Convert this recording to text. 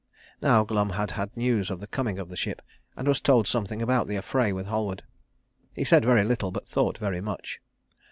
Now Glum had had news of the coming of the ship, and was told something about the affray with Halward. He said very little, but thought very much.